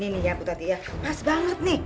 nih ya bu tati ya pas banget nih